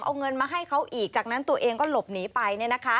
เอาเงินมาให้เขาอีกจากนั้นตัวเองก็หลบหนีไป